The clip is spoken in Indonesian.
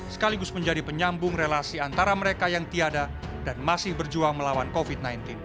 sekaligus menjadi penyambung relasi antara mereka yang tiada dan masih berjuang melawan covid sembilan belas